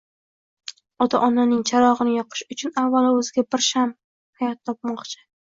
Ota-onaning charog’ini yoqish uchun avvalo o’ziga bir sham’i hayot topmoqchi